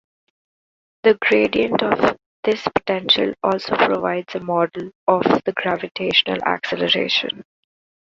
The gradient of this potential also provides a model of the gravitational acceleration.